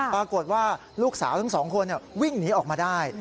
ปรากฏว่าลูกสาวทั้งสองคนวิ่งหนีออกมาได้